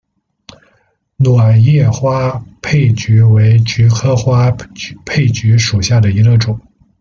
卵叶花佩菊为菊科花佩菊属下的一个种。